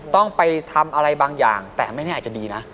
ต้องไปทำอะไรบางอย่างแต่ไม่แน่อาจจะดีนะ